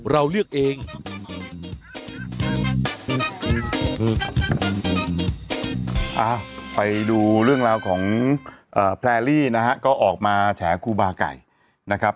ไปดูเรื่องราวของแพรรี่นะฮะก็ออกมาแฉกูบาไก่นะครับ